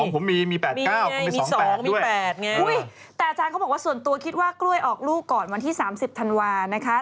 ผมมี๘มีไงมี๒มี๘ไงแต่อาจารย์เขาบอกว่าส่วนตัวคิดว่ากล้วยออกลูกก่อนวันที่๓๐ธันวานะคะ